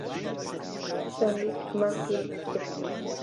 چەندی ترمان پێویستە؟